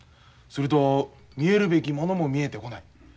すると見えるべきものも見えてこない。